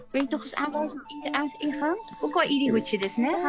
ここ入り口ですね。